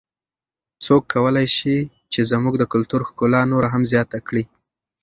څوک کولای سي چې زموږ د کلتور ښکلا نوره هم زیاته کړي؟